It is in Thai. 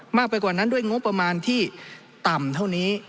มากไปกว่านั้นด้วยงบประมาณที่ต่ำเท่านี้